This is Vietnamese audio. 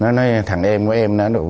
nó nói thằng em của em